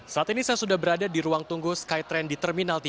saat ini saya sudah berada di ruang tunggu skytrain di terminal tiga